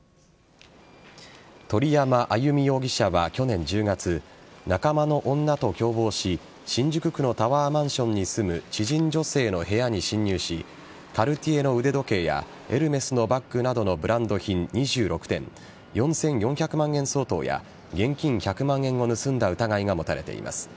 鳥山あゆみ容疑者は去年１０月仲間の女と共謀し新宿区のタワーマンションに住む知人女性の部屋に侵入しカルティエの腕時計やエルメスのバッグなど２６点４４００万円相当や現金１００万円を盗んだ疑いが持たれています。